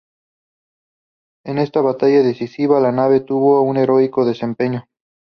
En esa batalla decisiva la nave tuvo un heroico desempeño.